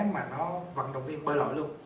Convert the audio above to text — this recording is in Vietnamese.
mà nó vận động viên bơi lội luôn